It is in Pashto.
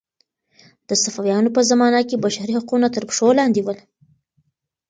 د صفویانو په زمانه کې بشري حقونه تر پښو لاندې ول.